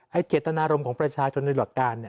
เจตนารมณ์ของประชาชนในหลักการ